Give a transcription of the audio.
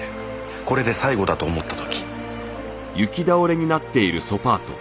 これで最後だと思った時。